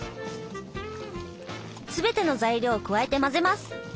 すべての材料を加えて混ぜます。